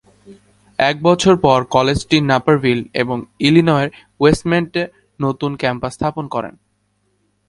এক বছর পর, কলেজটি নাপারভিল এবং ইলিনয়ের ওয়েস্টমন্টে নতুন ক্যাম্পাস স্থাপন করে।